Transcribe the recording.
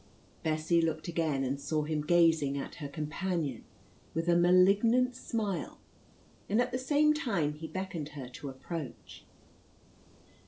Bessie looked again, and saw him gazing at her companion with a malignant smile, and at the same time he beckoned her to approach.